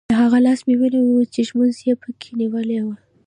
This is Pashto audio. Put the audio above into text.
له هغه لاسه مې ونیول چې ږومنځ یې په کې نیولی وو.